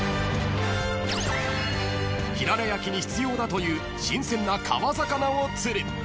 ［ひらら焼きに必要だという新鮮な川魚を釣る］